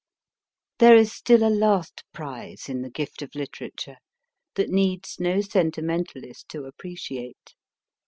There is still a last prize in the gift of literature that needs no sentimentalist to appreciate.